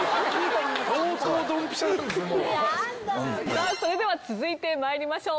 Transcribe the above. さあそれでは続いて参りましょう。